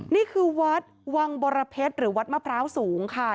นี่คือวัดวังบรเพชรหรือวัดมะพร้าวสูงค่ะ